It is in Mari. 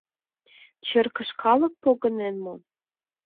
Черкыш калык погынен мо?